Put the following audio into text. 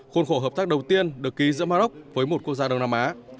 khuôn khổ hợp tác đầu tiên được ký giữa maroc với một quốc gia đông nam á